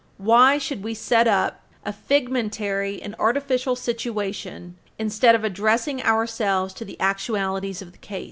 Why should we set up a figmentary and artificial situation, instead of addressing ourselves to the actualities of the case?